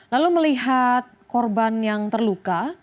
lalu melihat korban yang terluka